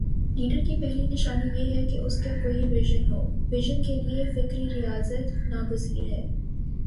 Leader کی پہلی نشانی یہ ہے کہ اس کا کوئی وژن ہو وژن کے لیے فکری ریاضت ناگزیر ہے۔